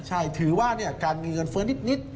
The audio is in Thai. ใช่ถือว่าการมีเงินเฟ้อนิด